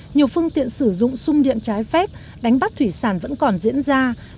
nhiều phương tiện sử dụng sung điện trái phép đánh bắt thủy sản vẫn còn diễn ra